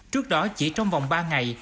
trước đó chỉ trong vòng ba ngày